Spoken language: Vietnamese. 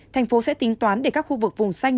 thành phố sẽ tính toán để các khu vực vùng xanh